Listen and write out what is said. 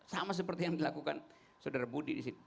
sama seperti yang dilakukan saudara budi di situ